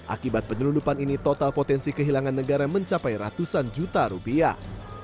akibat penyelundupan ini total potensi kehilangan negara mencapai ratusan juta rupiah